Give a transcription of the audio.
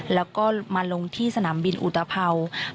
แล้วก็มาลงที่สนามบินอุตภัวร์